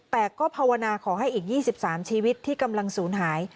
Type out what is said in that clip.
แต่ก็ภาวนาขอให้อีก๒๓ชีวิตที่กำลังศูนย์หาย